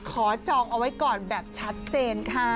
จองเอาไว้ก่อนแบบชัดเจนค่ะ